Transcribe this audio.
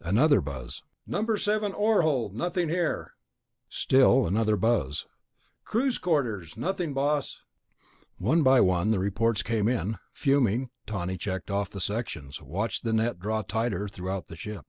Another buzz. "Number seven ore hold. Nothing here." Still another buzz. "Crew's quarters. Nothing, boss." One by one the reports came in. Fuming, Tawney checked off the sections, watched the net draw tighter throughout the ship.